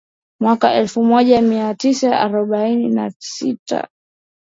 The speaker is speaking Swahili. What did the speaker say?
mwaka elfu moja mia tisa arobaini na sita